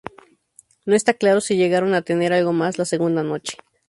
No está claro si llegaron a tener algo más la segunda noche.